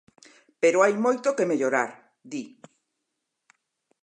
Pero hai moito que mellorar, di.